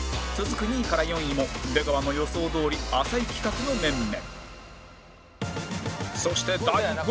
続く２位から４位も出川の予想どおり浅井企画の面々